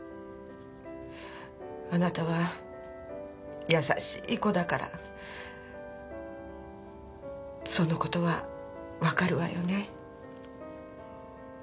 あなたは優しい子だからその事はわかるわよね。